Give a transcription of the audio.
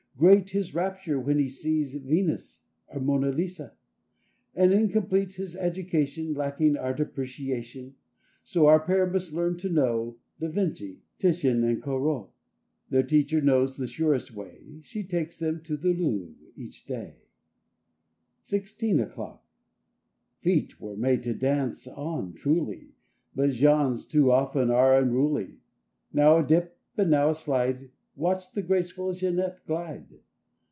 Great his rapture when he sees a Venus or a Mona Lisa; And incomplete his education Lacking Art Appreciation. So our pair must learn to know Da Vinci, Titian and Corot. Their teacher knows the surest way: She takes them to the Louvre each day. 37 i FIFTEEN O'CLOCK 39 SIXTEEN O'CLOCK F eet were made to dance on, truly; But Jean's too often are unruly. Now a dip and now a slide— Watch the graceful Jeanette glide!